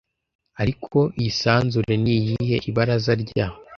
Ariko iyi sanzure niyihe ibaraza rya